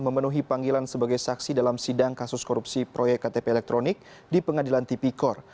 memenuhi panggilan sebagai saksi dalam sidang kasus korupsi proyek ktp elektronik di pengadilan tipikor